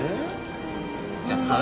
じゃあ買う？